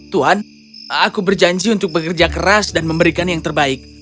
tuhan aku berjanji untuk bekerja keras dan memberikan yang terbaik